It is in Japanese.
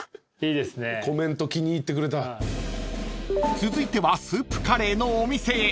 ［続いてはスープカレーのお店へ］